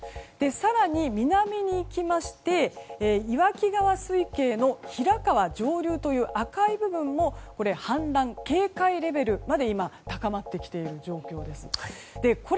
更に南に行きまして岩木川水系の平川上流という赤い部分も氾濫警戒レベルまで今高まってきている状況です。